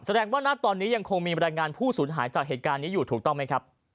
แสดงว่าณตอนนี้ยังคงมีบรรยายงานผู้สูญหายจากเหตุการณ์นี้อยู่ถูกต้องไหมครับ